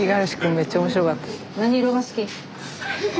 めっちゃ面白かった。